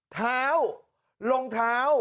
เท้ารองเท้า